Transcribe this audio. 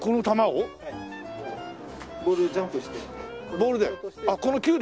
ボールで？